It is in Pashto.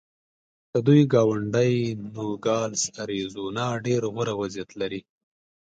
د دوی ګاونډی نوګالس اریزونا ډېر غوره وضعیت لري.